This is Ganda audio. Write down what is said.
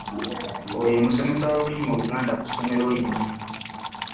Oyo ye musomesa w'olulimi Oluganda ku ssomero lino.